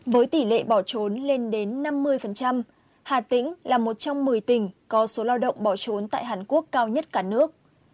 với tỷ lệ bỏ trốn lên đến năm mươi hà tĩnh là một trong một mươi tỉnh có số lao động bỏ trốn tại hàn quốc cao nhất cả nước